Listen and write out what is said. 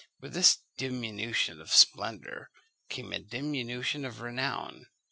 With this diminution of splendour came a diminution of renown.